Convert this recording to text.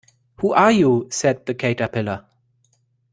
‘Who are you?’ said the Caterpillar.